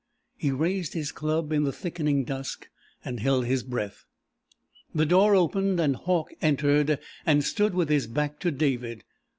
He raised his club in the thickening dusk, and held his breath. The door opened, and Hauck entered, and stood with his back to David.